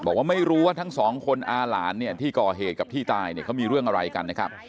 บอกว่าไม่รู้ว่าทั้งสองคนอาหลานเนี่ยที่ก่อเหตุกับที่ตายเนี่ยเขามีเรื่องอะไรกันนะครับ